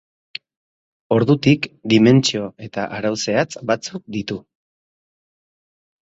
Ordutik dimentsio eta arau zehatz batzuk ditu.